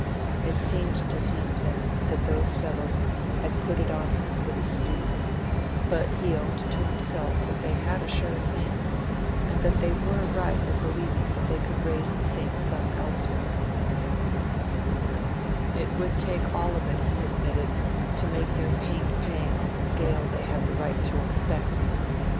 It seemed to him, then, that those fellows had put it up on him pretty steep, but he owned to himself that they had a sure thing, and that they were right in believing they could raise the same sum elsewhere; it would take all OF it, he admitted, to make their paint pay on the scale they had the right to expect.